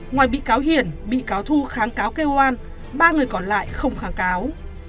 ngoài bị cáo hiền bị cáo thu kháng cáo kêu an ba người còn lại không kháng cáo